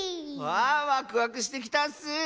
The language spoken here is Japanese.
あワクワクしてきたッス！